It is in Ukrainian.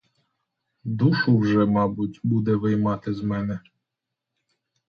Душу вже, мабуть, буде виймати з мене.